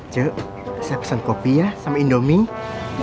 jok saya pesen kopi ya sama indomie